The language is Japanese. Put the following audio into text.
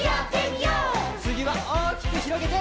つぎはおおきくひろげて！